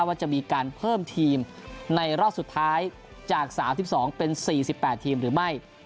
ว่าจะมีการเพิ่มทีมในรอบสุดท้ายจาก๓๒เป็น๔๘ทีมหรือไม่